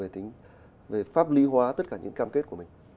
để pháp lý hóa tất cả những cam kết của mình